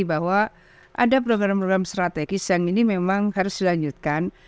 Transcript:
bahwa ada program program strategis yang ini memang harus dilanjutkan